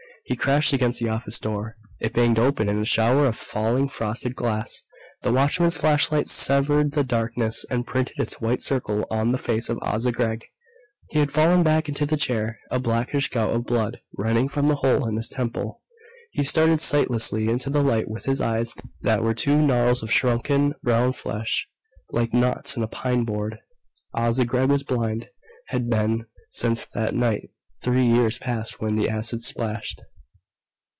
He crashed against the office door. It banged open in a shower of falling frosted glass. The watchman's flashlight severed the darkness, and printed its white circle on the face of Asa Gregg. He had fallen back into the chair, a blackish gout of blood running from the hole in his temple. He stared sightlessly into the light with his eyes that were two gnarls of shrunken brown flesh, like knots in a pine board. Asa Gregg was blind ... had been, since that night three years past when the acid splashed....